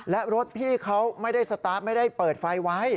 และรถพี่เขาไม่ได้สตาร์ทไม่ได้เปิดไฟไว้